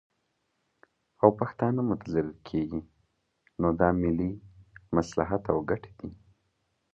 او پښتانه متضرر کیږي، نو دا ملي مصلحت او ګټې دي